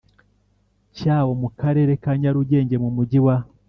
cyawo mu Karere ka Nyarugenge mu Mujyi wa